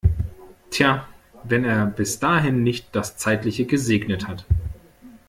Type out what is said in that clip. Tja, wenn er bis dahin nicht das Zeitliche gesegnet hat!